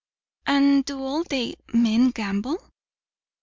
"And do all the men gamble?"